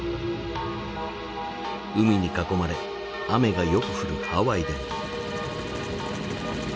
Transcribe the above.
海に囲まれ雨がよく降るハワイでも。